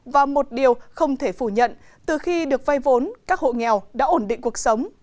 và một điều không thể phủ nhận từ khi được vay vốn các hộ nghèo đã ổn định cuộc sống